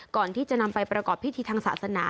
ก่อนที่จะนำไปประกอบพิธีทางศาสนา